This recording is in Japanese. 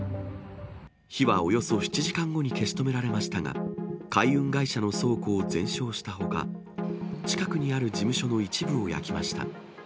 火はおよそ７時間後に消し止められましたが、海運会社の倉庫を全焼したほか、近くにある事務所の一部を焼きました。